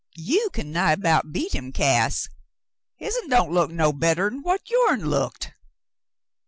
You can nigh about beat him, Cass. Hisn didn't look no better'n what yourn looked."